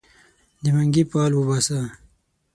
د منګې فال وباسه